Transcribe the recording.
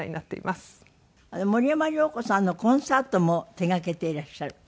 森山良子さんのコンサートも手がけていらっしゃるって。